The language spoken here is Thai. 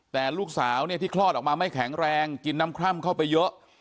แต่ลูกสาวเนี่ยที่คลอดออกมาไม่แข็งแรงกินน้ำคร่ำเข้าไปเยอะ